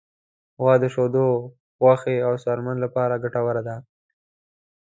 غوا د شیدو، غوښې، او څرمن لپاره ګټوره ده.